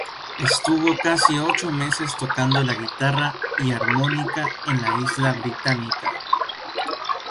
Estuvo casi ocho meses tocando la guitarra y armónica en la isla británica.